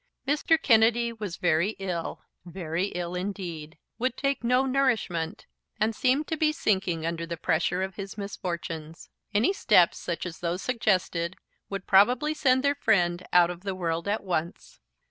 Mr. Kennedy was very ill, very ill indeed; would take no nourishment, and seemed to be sinking under the pressure of his misfortunes. Any steps such as those suggested would probably send their friend out of the world at once.